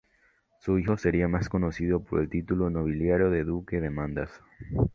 Su hijo sería más conocido por el título nobiliario de Duque de Mandas.